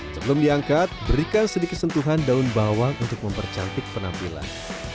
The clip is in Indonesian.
sebelum diangkat berikan sedikit sentuhan daun bawang untuk mempercantik penampilan